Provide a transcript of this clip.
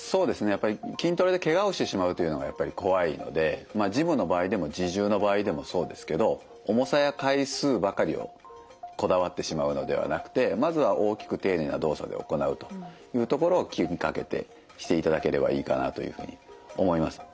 やっぱり筋トレでけがをしてしまうというのがやっぱり怖いのでまあジムの場合でも自重の場合でもそうですけど重さや回数ばかりをこだわってしまうのではなくてまずは大きく丁寧な動作で行うというところを気にかけてしていただければいいかなというふうに思います。